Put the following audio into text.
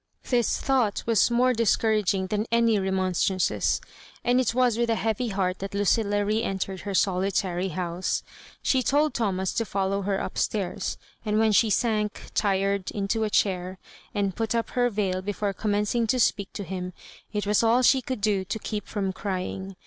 This thought was more discouraging than any remon strances ; and it was with a heavy heart that Lu cilla re entered her solitary house. 8he told Tho mas to follow her upstairs ; and when she sank, tired, into a chair, and put up her veil before com mencing to speak to him, it was all she could do to keep from cryiug.